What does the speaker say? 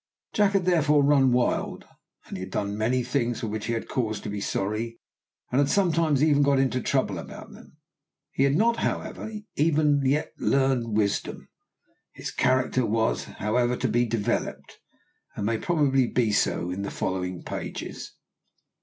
Jack had therefore run wild, and had done many things for which he had cause to be sorry, and had sometimes even got into trouble about them. He had not, however, even yet learned wisdom. His character was, however, to be developed, and may probably be so in the following pages.